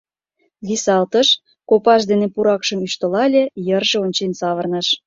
Висалтыш, копаж дене пуракшым ӱштылале, йырже ончен савырныш.